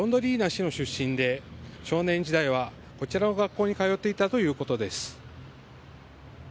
市の出身で少年時代はこちらの学校に通っていたということです。